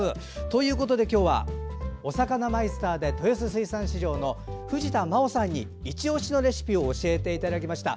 ということで、今日はおさかなマイスターで豊洲水産市場の藤田真央さんにいち押しレシピを教えていただきました。